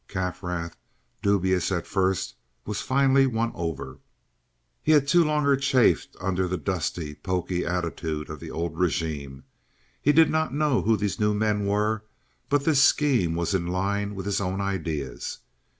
Kaffrath, dubious at first, was finally won over. He had too long chafed under the dusty, poky attitude of the old regime. He did not know who these new men were, but this scheme was in line with his own ideas.